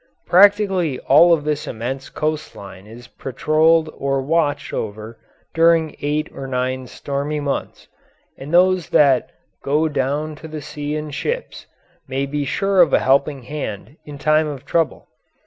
Practically all of this immense coast line is patrolled or watched over during eight or nine stormy months, and those that "go down to the sea in ships" may be sure of a helping hand in time of trouble.